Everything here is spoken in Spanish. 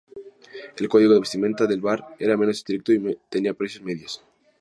El código de vestimenta del bar era menos estricto y tenía precios medios.